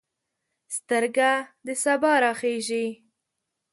سترګه د سبا راخیژي